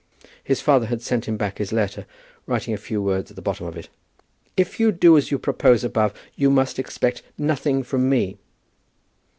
His father had sent him back his letter, writing a few words at the bottom of it. "If you do as you propose above, you must expect nothing from me."